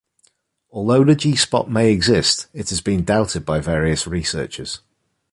Although the G-spot may exist, it has been doubted by various researchers.